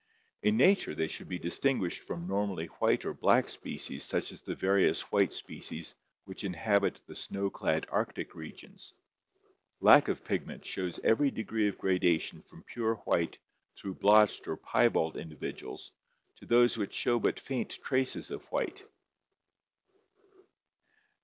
In nature they should be distinguished from normally white or black species such as the various white species which inhabit the snowclad Arctic regions. Lack of pig ment shows every degree of gradation from pure white through blotched or piebald individuals to those which show but faint traces of white.